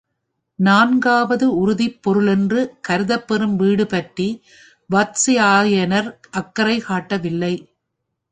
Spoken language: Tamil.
நான்காவது உறுதிப் பொருளென்று கருதப்பெறும் வீடு பற்றி வாத்ஸ்யாயனர் அக்கறை காட்டவில்லை.